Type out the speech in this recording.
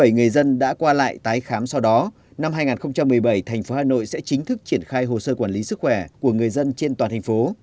một trăm linh bảy người dân đã qua lại tái khám sau đó năm hai nghìn một mươi bảy tp hcm sẽ chính thức triển khai hồ sơ quản lý sức khỏe của người dân trên toàn thành phố